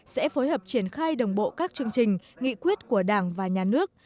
sẽ phối hợp triển khai đồng bộ các chương trình nghị quyết của đảng và nhà nước